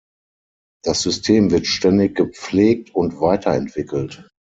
Das System wird ständig gepflegt und weiterentwickelt.